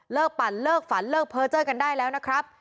เลิกปั่นเลิกฝันเลิกเพ้อเจ้อกันได้แล้วนะครับ